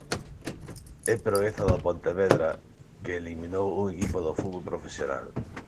E proeza do Pontevedra, que eliminou un equipo do fútbol profesional.